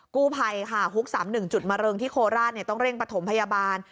กู้ไพค่ว็ฮุครับ๑จุดมารึงที่โคลาทต้องเร่งประถมพยาบาล